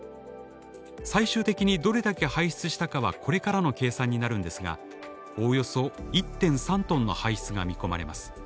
最終的にどれだけ排出したかはこれからの計算になるんですがおおよそ１．３トンの排出が見込まれます。